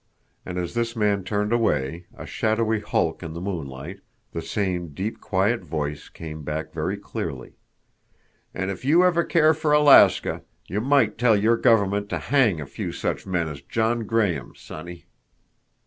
And as this man turned away, a shadowy hulk in the moonlight, the same deep, quiet voice came back very clearly: "And if you ever care for Alaska, you might tell your government to hang a few such men as John Graham, sonny."